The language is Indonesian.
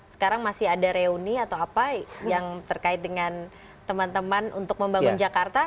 sekarang masih ada reuni atau apa yang terkait dengan teman teman untuk membangun jakarta